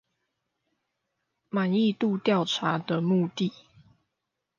滿意度調查的目的